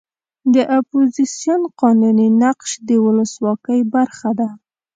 د اپوزیسیون قانوني نقش د ولسواکۍ برخه ده.